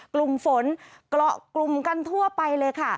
กลุ่มฝนเกาะกลุ่มกันทั่วไปเลยค่ะ